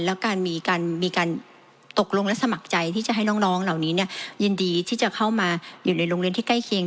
แล้วการมีการตกลงและสมัครใจที่จะให้น้องเหล่านี้ยินดีที่จะเข้ามาอยู่ในโรงเรียนที่ใกล้เคียง